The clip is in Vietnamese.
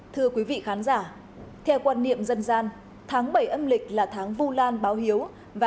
thưa quý vị khán giả theo quan niệm dân gian tháng bảy âm lịch là tháng vũ lan báo hiếu và xá tội vong nhân